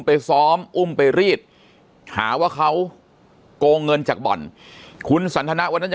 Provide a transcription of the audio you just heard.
ไปซ้อมอุ้มไปรีดหาว่าเขาโกงเงินจากบ่อนคุณสันทนาวันนั้นจะ